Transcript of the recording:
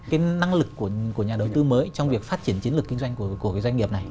cái năng lực của nhà đầu tư mới trong việc phát triển chiến lược kinh doanh của cái doanh nghiệp này